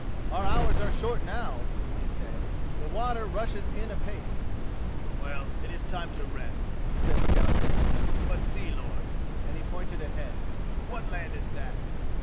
"Our hours are short now," he said, "the water rushes in apace." "Well, it is time to rest," said Skallagrim; "but see, lord!" and he pointed ahead. "What land is that?"